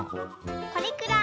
これくらい。